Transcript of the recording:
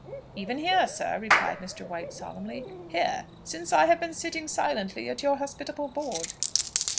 "Even here, sir," replied Mr. White solemnly: "here, since I have been sitting silently at your hospitable board."